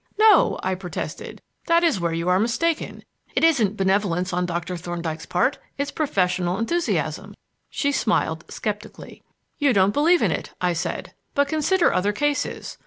"No," I protested; "that is where you are mistaken. It isn't benevolence on Doctor Thorndyke's part; it's professional enthusiasm." She smiled sceptically. "You don't believe in it," I said; "but consider other cases.